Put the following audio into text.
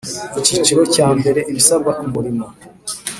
Icyiciro cya mbere Ibisabwa ku murimo